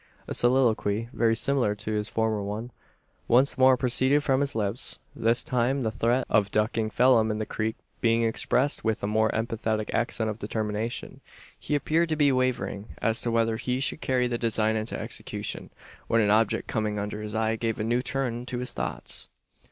A soliloquy, very similar to his former one, once more proceeded from his lips; this time the threat of ducking Phelim in the creek being expressed with a more emphatic accent of determination. He appeared to be wavering, as to whether he should carry the design into execution, when an object coming under his eye gave a new turn to his thoughts.